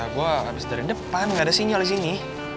gue abis dari depan ga ada sinyal di sini